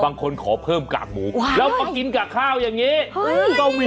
ขอเพิ่มกากหมูแล้วมากินกากข้าวอย่างนี้